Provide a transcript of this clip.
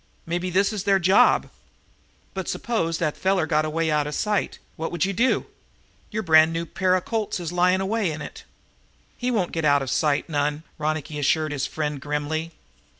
Maybe this is their job." "But suppose that feller got away out of sight, what would you do? Your brand new pair of Colts is lying away in it!" "He won't get out of sight none," Ronicky assured his friend grimly.